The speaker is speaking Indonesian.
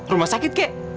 rumah sakit ke